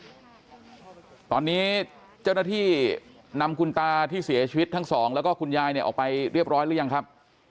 ฉันอยู่ในพื้นที่ค่ะตอนนี้ตอนนี้เจ้าหน้าที่นำคุณตาที่เสียชีวิตทั้ง๒แล้วก็คุณยายเนี่ยออกไปเรียบร้อยหรือยังครับ